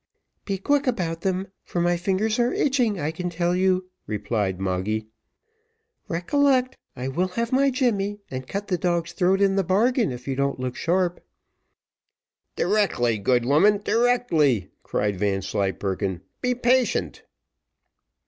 "Be quick about them, for my fingers are itching, I can tell you," replied Moggy. "Recollect, I will have my Jemmy, and cut the dog's throat in the bargain if you don't look sharp." "Directly, good woman, directly," cried Vanslyperken, "be patient."